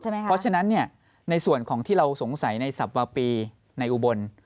เพราะฉะนั้นในส่วนของที่เราสงสัยในสับวาปีในอุบล